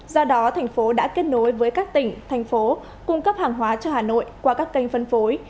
do đó thành phố đã kết nối với các tỉnh thành phố cung cấp hàng hóa cho hà nội qua các kênh phân phối